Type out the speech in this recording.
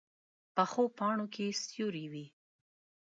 پخو پاڼو کې سیوری وي